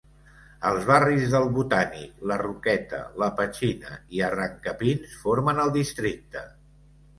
El barris del Botànic, la Roqueta, la Petxina i Arrancapins formen el districte.